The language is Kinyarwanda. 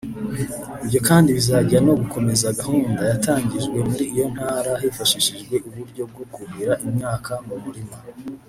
Ibyo kandi bizajya no gukomeza gahunda yatangijwe muri iyo ntara hifashishijwe uburyo bwo kuhira imyaka mu murima